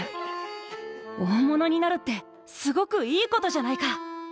大物になるってすごくいいことじゃないか。